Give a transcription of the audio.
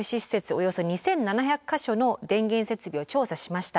およそ２，７００か所の電源設備を調査しました。